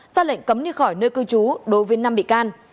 ra lệnh cấm đi khỏi nơi cư trú đối với năm bị can